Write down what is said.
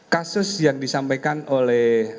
kasus yang disampaikan oleh